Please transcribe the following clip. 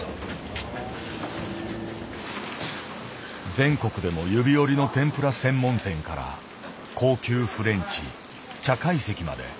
全国でも指折りの天ぷら専門店から高級フレンチ茶懐石まで。